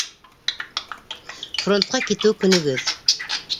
Фронтҡа китеү көнөгөҙ?